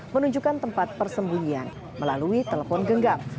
menunjukkan tempat persembunyian melalui telepon genggam